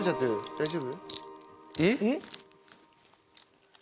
大丈夫？